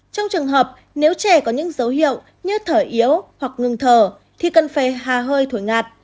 trong trường hợp nếu trẻ có những dấu hiệu như thở yếu hoặc ngừng thở thì cần phải hà hơi thổi ngạt